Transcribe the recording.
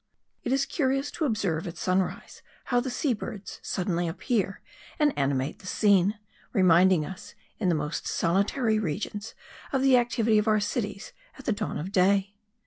It is curious to observe at sunrise how the sea birds suddenly appear and animate the scene, reminding us, in the most solitary regions, of the activity of our cities at the dawn of day.